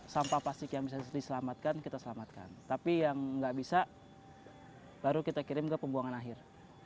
sampah plastik yang tidak bisa baru kita kirim ke pembuangan akhir